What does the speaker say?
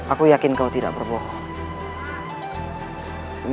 aku yakin kau tidak berbohong